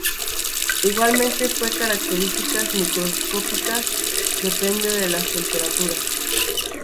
Igualmente, sus características microscópicas dependen de la temperatura.